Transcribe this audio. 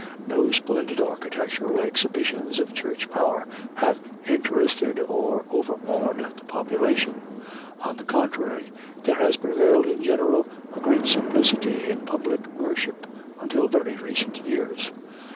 No splendid architectural exhibitions of Church power have interested or overawed the population. On the contrary, there has prevailed in general a great simplicity in public worship, until very recent years.